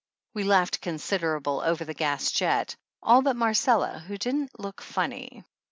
We laughed considerable over the gas jet, all but Marcella, who didn't look funny.